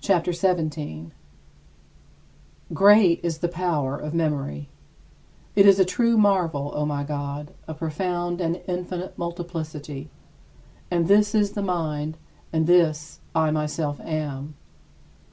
CHAPTER XVII 26. Great is the power of memory. It is a true marvel, O my God, a profound and infinite multiplicity! And this is the mind, and this I myself am.